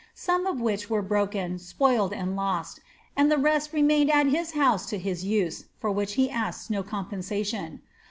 some of which were broken, spoiled, uid lost, and the rest remain at hia house to his tise, for which he asks no compensation.